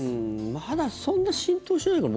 まだそんな浸透してないのかな